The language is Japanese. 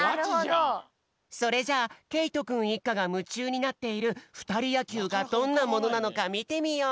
それじゃあけいとくんいっかがむちゅうになっているふたりやきゅうがどんなものなのかみてみよう。